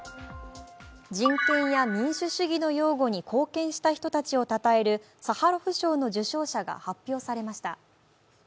人権や民主主義の擁護に貢献した人たちをたたえるサハロフ賞の受賞者が発表されました。